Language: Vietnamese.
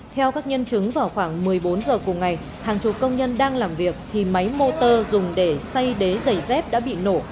theo các nhân chứng vào khoảng một mươi bốn giờ cùng ngày hàng chục công nhân đang làm việc thì máy motor dùng để say đế giày dép đã bị nổ